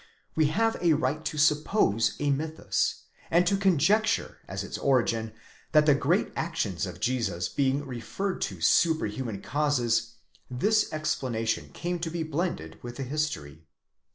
we have a right to suppose a mythus; and to conjecture as its origin, that the great actions of Jesus being referred to superhuman causes, this explanation came to be blended with the history.